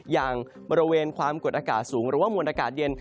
อย่างบริเวณความกดอากาศสูงหรือว่ามวลอากาศเย็น